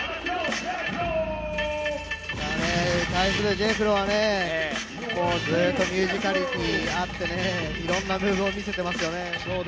Ｊｅｆｆｒｏはずっとミュージカリティーがあっていろんなムーブを見せてますよね。